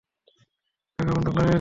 দয়া করে বন্দুক নামিয়ে দিন।